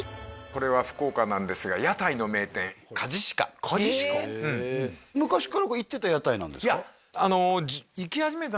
これは福岡なんですが屋台の名店昔から行ってた屋台なんですか？